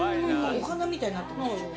お花みたいになってます。